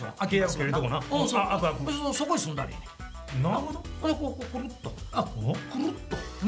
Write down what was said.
くるっとね。